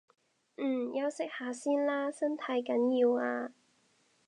嗯，休息下先啦，身體緊要啊